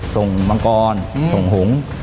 ส่งมังกรส่งหงศ์